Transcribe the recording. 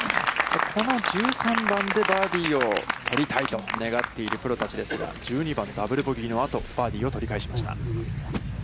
この１３番でバーディーを取りたいと願っているプロたちですが、バーディーを取り返しました。